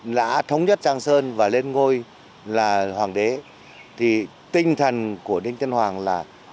đã thống nhất trang sơn và lên ngôi là hoàng đế thì tinh thần của đinh tiên hoàng là